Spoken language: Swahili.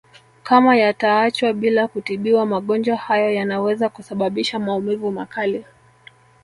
Kama yataachwa bila kutibiwa magonjwa hayo yanaweza kusababisha maumivu makali